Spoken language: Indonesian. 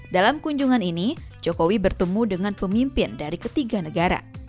dalam kunjungan ini jokowi bertemu dengan pemimpin dari ketiga negara